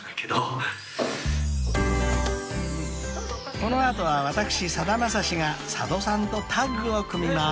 ［この後は私さだまさしが佐渡さんとタッグを組みます］